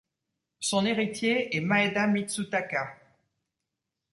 Son héritier est Maeda Mitsutaka.